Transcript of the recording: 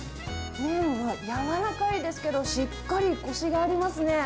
麺はやわらかいですけど、しっかりこしがありますね。